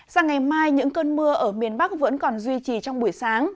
sang ngày mai những cơn mưa ở miền bắc vẫn còn duy trì trong buổi sáng